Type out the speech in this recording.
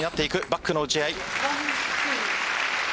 バックの打ち合い。